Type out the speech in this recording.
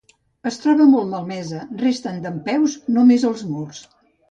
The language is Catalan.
Es troba molt malmesa, resten dempeus només els murs.